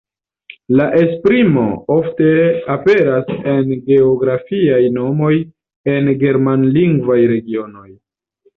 La esprimo ofte aperas en geografiaj nomoj en germanlingvaj regionoj.